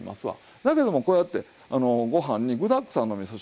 だけどもこうやってご飯に具だくさんのみそ汁。